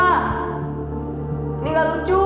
ini gak lucu